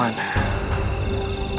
aku ingin menikah di sukamana